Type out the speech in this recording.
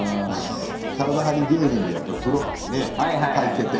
体張り芸人でやっぱ風呂ね入ってて。